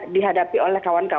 ada dalam beberapa hari